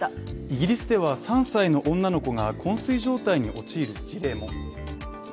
イギリスでは３歳の女の子が昏睡状態に陥る事例も。